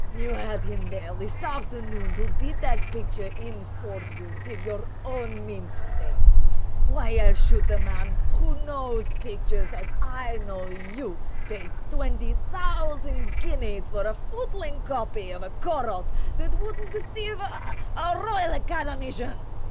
You had him there this afternoon to bid that picture in for you if your own means failed. Why else should the man, who knows pictures as I know you, pay twenty thousand guineas for a footling copy of a Corot that wouldn't deceive a—a Royal Academician!